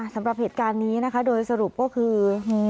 สำหรับเหตุการณ์นี้นะคะโดยสรุปก็คือ